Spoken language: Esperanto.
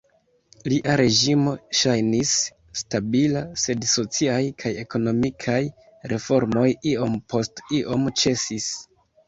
Lia reĝimo ŝajnis "stabila", sed sociaj kaj ekonomikaj reformoj iom post iom ĉesis.